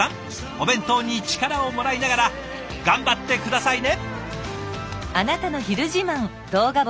お弁当に力をもらいながら頑張って下さいね！